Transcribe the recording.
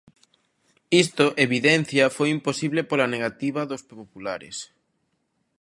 Isto, evidencia, "foi imposible pola negativa dos populares".